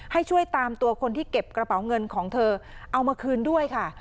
ให้ช่วยตามตัวคนที่เก็บกระเป๋าเงินของเธอเอามาคืนด้วยค่ะ